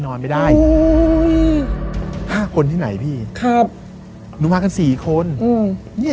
นอนไม่ได้ที่ไหนพี่ครับหมดกัน๒๔คนอืม